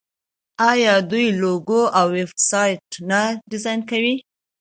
آیا دوی لوګو او ویب سایټ نه ډیزاین کوي؟